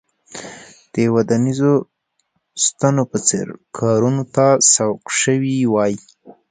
د ودانیزو ستنو په څېر کارونو ته سوق شوي وای.